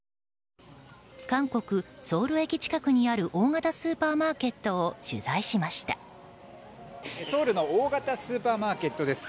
韓国ソウル駅近くにある大型スーパーマーケットをソウルの大型スーパーマーケットです。